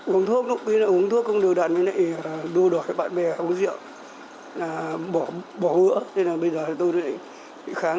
uống thuốc uống thuốc không được đặt đô đổi bạn bè uống rượu bỏ bữa